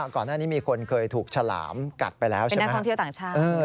ก่อนหน้านี้มีคนเคยถูกฉลามกัดไปแล้วใช่ไหมนักท่องเที่ยวต่างชาติ